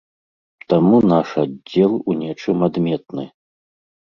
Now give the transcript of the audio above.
Таму наш аддзел у нечым адметны.